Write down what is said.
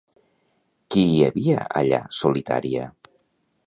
Qui hi havia allà solitària?